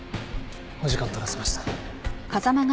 お時間取らせました。